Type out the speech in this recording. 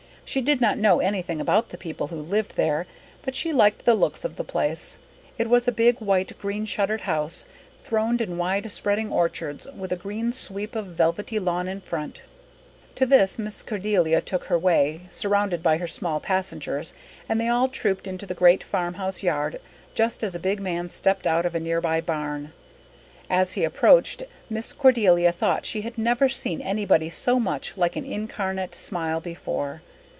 She did not know anything about the people who lived there, but she liked the looks of the place. It was a big, white, green shuttered house, throned in wide spreading orchards, with a green sweep of velvety lawn in front. To this Miss Cordelia took her way, surrounded by her small passengers, and they all trooped into the great farmhouse yard just as a big man stepped out of a nearby barn. As he approached, Miss Cordelia thought she had never seen anybody so much like an incarnate smile before.